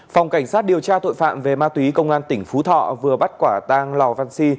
phòng cảnh sát điều tra tội phạm về ma túy công an tỉnh phú thọ vừa bắt quả tang lò văn si